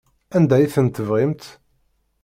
Anda ay ten-tebrimt?